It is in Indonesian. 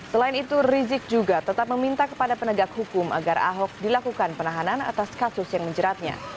selain itu rizik juga tetap meminta kepada penegak hukum agar ahok dilakukan penahanan atas kasus yang menjeratnya